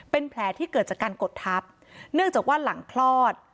เป็นแผลที่เกิดจากการกดทับเนื่องจากว่าหลังคลอด